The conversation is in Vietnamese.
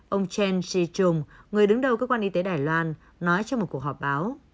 ông chen shih chung người đứng đầu cơ quan y tế đài loan nói trong một cuộc họp báo